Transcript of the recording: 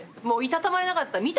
もう居たたまれなかった。